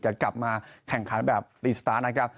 จะกลับมาแข่งขันแบบรีสตาร์ทนะครับ